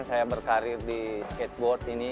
saya berkarir di skateboard ini